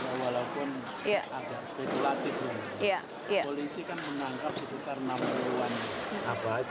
awalnya sempat berlangsung kondusif